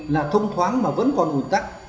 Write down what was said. là thông thoáng mà vẫn còn ủn tắc